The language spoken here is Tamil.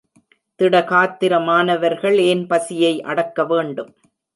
திடகாத்திரமானவர்கள் ஏன் பசியை அடக்க வேண்டும்.